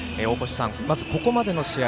まず、ここまでの試合